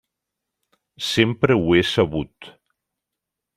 Sempre ho he sabut.